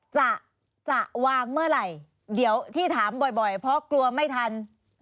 จะจะวางเมื่อไหร่เดี๋ยวที่ถามบ่อยเพราะกลัวไม่ทัน